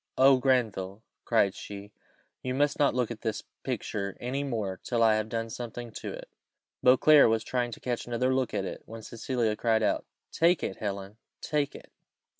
"Oh, Granville!" cried she, "you must not look at this picture any more till I have done something to it." Beauclerc was trying to catch another look at it, when Cecilia cried out, "Take it, Helen! take it!"